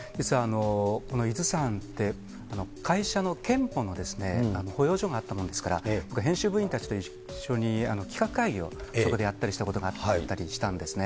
この伊豆山って、会社の健保の保養所があったもんですから、編集部員たちと一緒に企画会議をそこでやったりしたんですね。